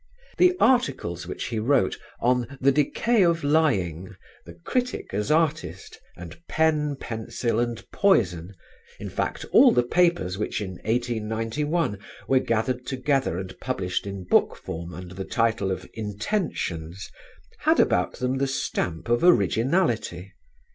The articles which he wrote on "The Decay of Lying," "The Critic as Artist," and "Pen, Pencil and Poison"; in fact, all the papers which in 1891 were gathered together and published in book form under the title of "Intentions," had about them the stamp of originality.